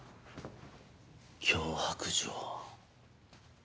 脅迫状。